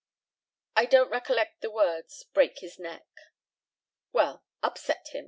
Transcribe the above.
I don't recollect the words "break his neck." Well, "upset him."